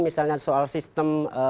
misalnya soal sistem